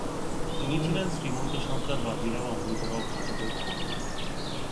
তিনি ছিলেন শ্রীমন্ত সর্দার বাজিরাও অমৃতরাও ঘাটগের কন্যা।